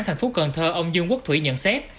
thành phố cần thơ ông dương quốc thủy nhận xét